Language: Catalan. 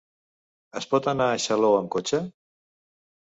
Es pot anar a Xaló amb cotxe?